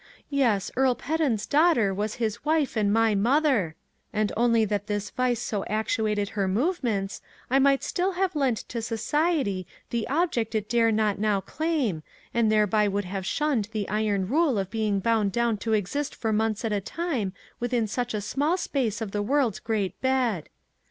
Yes, Earl Peden's daughter was his wife and my mother, and only that this vice so actuated her movements, I might still have lent to Society the object it dare not now claim, and thereby would have shunned the iron rule of being bound down to exist for months at a time within such a small space of the world's great bed.